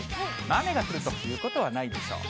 雨が降るということはないでしょう。